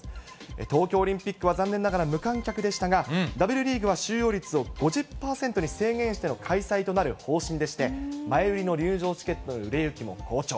東京オリンピックは残念ながら無観客でしたが、Ｗリーグは収容率を５０％に制限しての開催となる方針でして、前売りの入場チケットの売れ行きも好調。